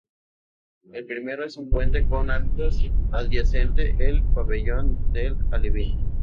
El primero es un puente con arcos adyacente al "Pabellón del alevín".